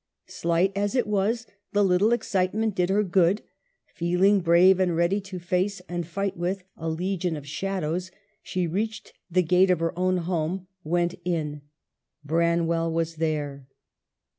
Slight as it was, the little ex citement did her good ; feeling brave and ready to face and fight with a legion of shadows, she reached the gate of her own home, went in. Branwell was there.